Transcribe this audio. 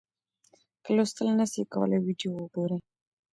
که لوستل نسئ کولای ویډیو وګورئ.